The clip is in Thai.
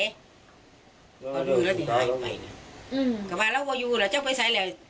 ก็ดูแล้วดิงไห้ไปก็ว่าแล้วก็อยู่แล้วเจ้าไปใส่แล้ว